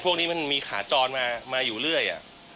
พวกนี้มันมีขาจรมาอยู่เรื่อย